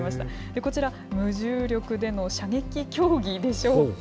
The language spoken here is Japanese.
こちら、無重力での射撃競技でしょうか。